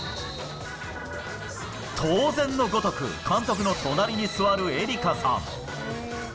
当然のごとく、監督の隣に座るエリカさん。